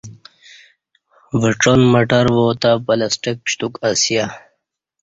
وڄان مٹر واتہ پلسٹیک پشتوک اسیہ